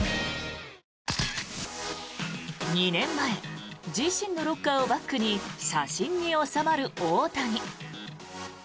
２年前自身のロッカーをバックに写真に納まる大谷。